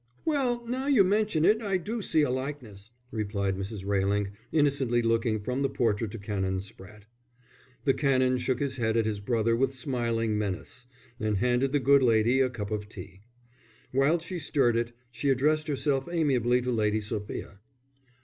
"Well, now you mention it, I do see a likeness," replied Mrs. Railing, innocently looking from the portrait to Canon Spratte. The Canon shook his head at his brother with smiling menace, and handed the good lady a cup of tea. While she stirred it, she addressed herself amiably to Lady Sophia.